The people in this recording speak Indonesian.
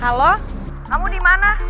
halo kamu dimana